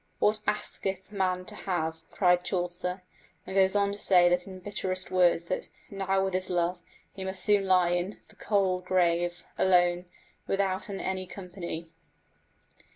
"What asketh man to have?" cried Chaucer, and goes on to say in bitterest words that "now with his love" he must soon lie in "the coldë grave alone, withouten any companie."